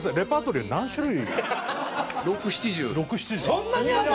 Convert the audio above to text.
そんなにあるの？